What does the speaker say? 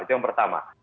itu yang pertama